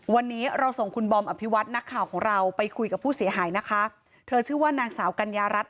วันนี้เราส่งคุณบอมอภิวัตน์นักข่าวของเราไปคุยกับผู้เสียหายนะคะ